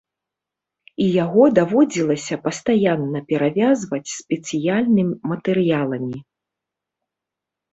І яго даводзілася пастаянна перавязваць спецыяльным матэрыяламі.